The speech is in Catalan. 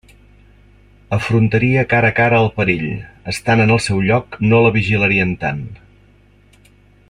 Afrontaria cara a cara el perill: estant en el seu lloc no la vigilarien tant.